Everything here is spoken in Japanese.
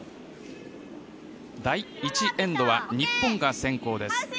第１エンドは日本が先攻です。